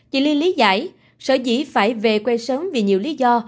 chị ly lý giải sở dĩ phải về quê sớm vì nhiều lý do